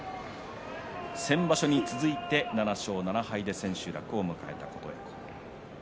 先場所に続いて７勝７敗で千秋楽を迎えています。